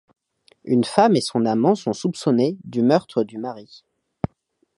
Une femme et son amant sont soupçonnés du meurtre du mari.